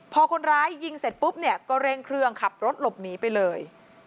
พอคนร้ายยิงเสร็จปุ๊บเนี่ยก็เร่งเครื่องขับรถหลบหนีไปเลย